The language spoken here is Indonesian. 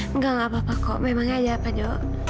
enggak enggak apa apa kok memang aja pak jok